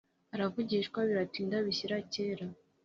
Aravugishwa biratinda bishyira kera